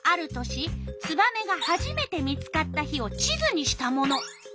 ツバメがはじめて見つかった日を地図にしたもの。